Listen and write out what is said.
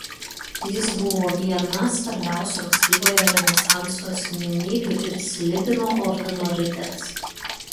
Jis buvo viena svarbiausių ankstyvojo Renesanso asmenybių ir Slibino ordino riteris.